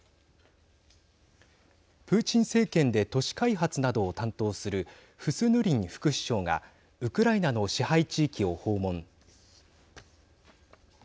プーチン政権で都市開発などを担当するフスヌリン副首相がウクライナの支配地域を訪問。